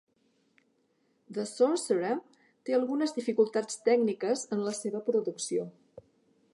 "The Sorcerer" té algunes dificultats tècniques en la seva producció.